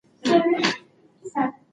هغوی به په کتابتون کي ډیر وخت تېروي.